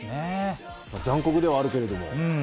残酷ではあるけれども。